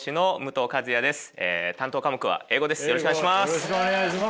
よろしくお願いします。